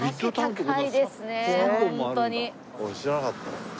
俺知らなかった。